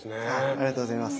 ありがとうございます。